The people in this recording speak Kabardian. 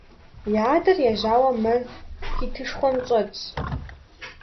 Я адэр ежьауэ мэз хуитышхуэм щӀэтщ.